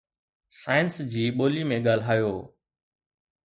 science جي ٻولي ۾ ڳالهايو